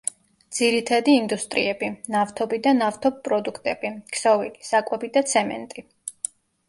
ძირითადი ინდუსტრიები: ნავთობი და ნავთობპროდუქტები, ქსოვილი, საკვები და ცემენტი.